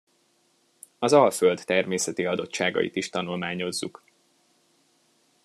Az Alföld természeti adottságait is tanulmányozzuk.